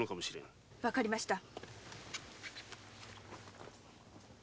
分かりました。